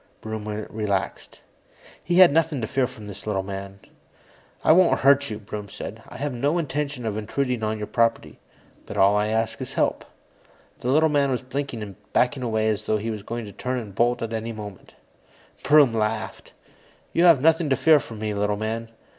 Broom relaxed. He had nothing to fear from this little man. "I won't hurt you," Broom said. "I had no intention of intruding on your property, but all I ask is help." The little man was blinking and backing away, as though he were going to turn and bolt at any moment. Broom laughed. "You have nothing to fear from me, little man.